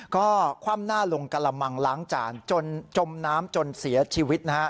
ก็คว่ำหน้าลงกระมังล้างจานจนจมน้ำจนเสียชีวิตนะฮะ